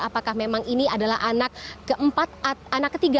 apakah memang ini adalah anak ketiga atau anak keempat dari keluarga asep tajudin